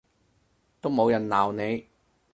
都冇人鬧你